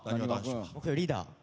リーダー。